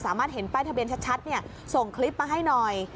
สามารถเห็นป้ายทะเบียนชัดเนี่ยส่งคลิปมาให้หน่อย